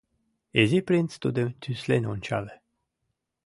Изи принц тудым тӱслен ончале.